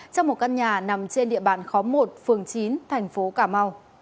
trong một căn nhà nằm trên địa bàn khóm một phường chín tp hcm